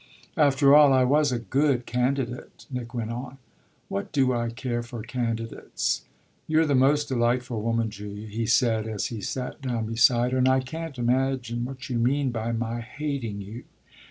"After all I was a good candidate," Nick went on. "What do I care for candidates?" "You're the most delightful woman, Julia," he said as he sat down beside her, "and I can't imagine what you mean by my hating you."